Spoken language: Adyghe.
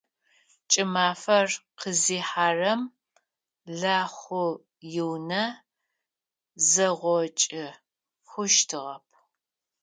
КӀымафэр къызихьэрэм Лахъу иунэ зэгъокӀы хъущтыгъэп.